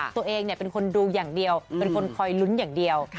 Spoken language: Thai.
ตัวเองเป็นคนดูอย่างเดียวเป็นคนคอยลุ้นอย่างเดียว